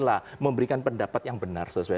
lah memberikan pendapat yang benar sesuai